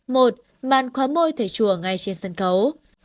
một màn khóa môi thể chùa ngay trên sân cấu